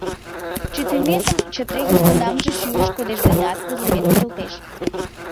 Чытыметым чыте, южгунамже шӱлыш кодеш гынат, вызлымет кӱрылтеш.